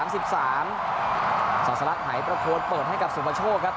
สาธารักษ์หายประโฆษ์เปิดให้กับสุภโชคครับ